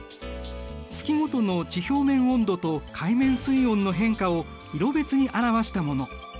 月ごとの地表面温度と海面水温の変化を色別に表したもの。